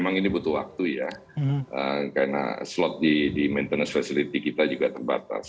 memang ini butuh waktu ya karena slot di maintenance facility kita juga terbatas